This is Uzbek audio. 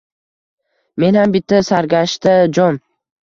Men ham bitta sargashta jon